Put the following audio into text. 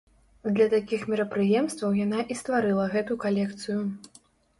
Для такіх мерапрыемстваў яна і стварыла гэту калекцыю.